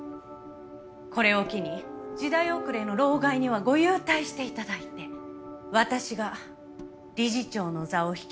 これを機に時代遅れの老害にはご勇退して頂いて私が理事長の座を引き継ぎます。